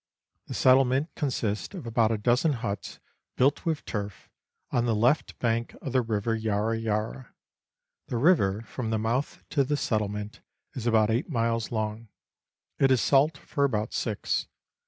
The settlement consists of about a dozen huts, built with turf, on the left bank of the river Yarra Yarra. The river, from the mouth to the settlement, is about eight miles long ; it is salt for about six.